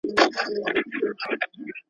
ږغ به وچ سي په کوګل کي د زاغانو.